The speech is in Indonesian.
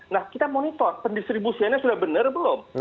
nah kita monitor pendistribusiannya sudah benar belum